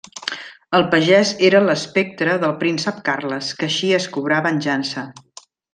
El pagès era l'espectre del príncep Carles, que així es cobrà venjança.